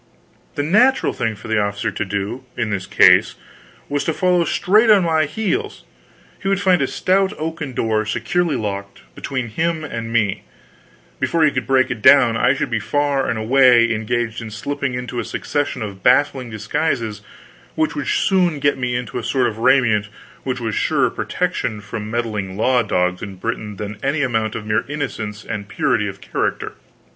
The natural thing for the officer to do, in this case, was to follow straight on my heels; he would find a stout oaken door, securely locked, between him and me; before he could break it down, I should be far away and engaged in slipping into a succession of baffling disguises which would soon get me into a sort of raiment which was a surer protection from meddling law dogs in Britain than any amount of mere innocence and purity of character.